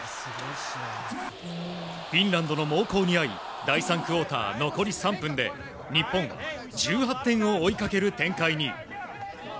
フィンランドの猛攻にあい第３クオーター残り３分で、日本１８点を追いかける展開に。